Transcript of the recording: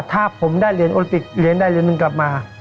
ถ้าผมได้เหรียญโอลิปิกเหรียญใดเหรียญหนึ่งกลับมา